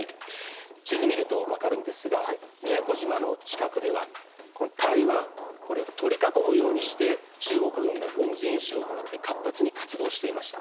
地図を見ると分かるんですが宮古島の近くでは台湾を取り囲むようにして中国軍が軍事演習を行って活発に活動していました。